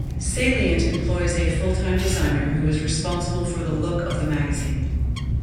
"Salient" employs a full-time designer who is responsible for the look of the magazine.